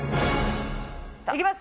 いきます。